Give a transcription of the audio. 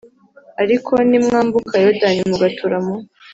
Ariko nimwambuka Yorodani mugatura mu